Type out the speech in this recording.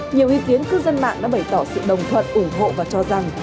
nhiều ý kiến cư dân mạng đã bày tỏ sự đồng thuận ủng hộ và cho rằng